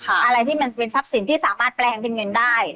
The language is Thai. อะไรที่มันเป็นทรัพย์สินที่สามารถแปลงเป็นเงินได้